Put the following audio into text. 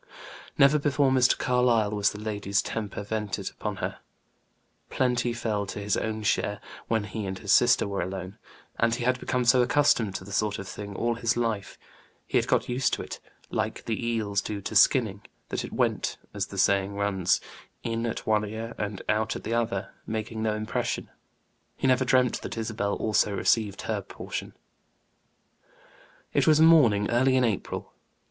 Never before Mr. Carlyle was the lady's temper vented upon her; plenty fell to his own share, when he and his sister were alone; and he had become so accustomed to the sort of thing all his life had got used to it, like the eels do to skinning that it went, as the saying runs, in at one ear and out at the other, making no impression. He never dreamt that Isabel also received her portion. It was a morning early in April.